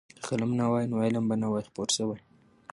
که قلم نه وای نو علم به نه وای خپور شوی.